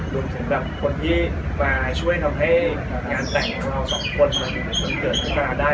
รวมถึงแบบคนที่มาช่วยทำให้งานแต่งของเราสองคนมันเกิดขึ้นมาได้